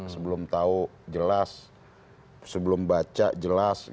sebelum tahu jelas sebelum baca jelas